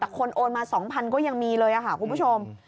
แต่คนโอนมา๒๐๐ก็ยังมีเลยค่ะคุณผู้ชม